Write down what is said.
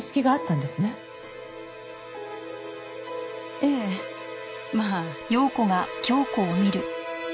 ええまあ。